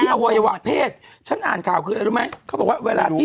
อวัยวะเพศฉันอ่านข่าวคืออะไรรู้ไหมเขาบอกว่าเวลาที่